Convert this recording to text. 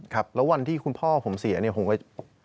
ครับแล้ววันที่คุณพ่อผมเสียเนี่ยผมก็